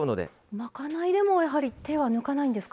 まかないでも手は抜かないんですか？